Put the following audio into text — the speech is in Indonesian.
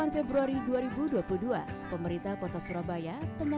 sembilan februari dua ribu dua puluh dua pemerintah kota surabaya tengah